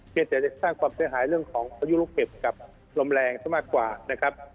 เกลียดแต่จะสร้างความเสียหายเรื่องของประยุรกฏกับรมแรงจะมากกว่านะครับ